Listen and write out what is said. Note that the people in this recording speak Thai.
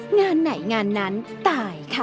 งานไหนงานนั้นตายค่ะ